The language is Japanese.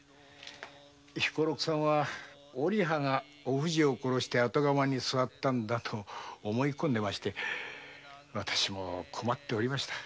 彦六さんはおりはがお藤を殺して後に居座ったと思い込みわたしも困っておりました。